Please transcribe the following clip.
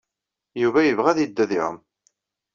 Yuba yebɣa ad yeddu ad iɛum.